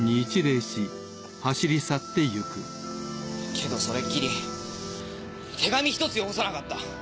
けどそれっきり手紙ひとつよこさなかった！